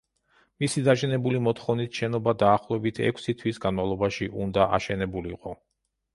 მისი დაჟინებული მოთხოვნით შენობა დაახლოებით ექვსი თვის განმავლობაში უნდა აშენებულიყო.